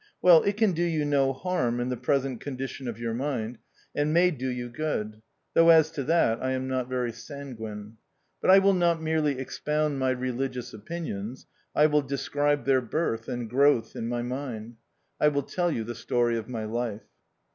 Well, it can do you no harm in the present condition of your mind, and may do D So THE OUTCAST. you good — though as to that I am not very sanguine. But I will not merely expound my religious opinions ; I will describe their birth and growth in my mind. I will tell you the story of my life.